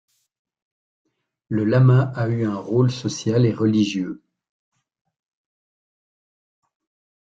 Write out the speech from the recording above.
Le lama a eu un rôle social et religieux.